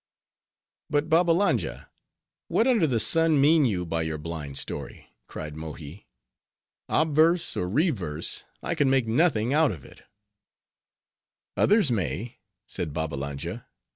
"But, Babbalanja, what under the sun, mean you by your blind story!" cried Mohi. "Obverse, or reverse, I can make nothing out of it." "Others may," said Babbalanja.